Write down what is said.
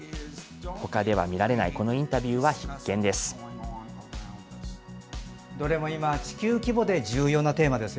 ほかでは見られないこのインタビューは必見です。